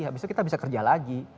habis itu kita bisa kerja lagi